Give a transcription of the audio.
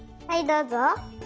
はいどうぞ。